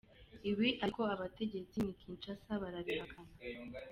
Ibi ariko abategetsi n’i Kinshasa barabihakana.